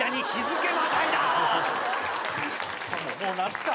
もう夏か。